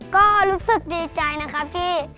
ก็รู้สึกดีใจนะครับที่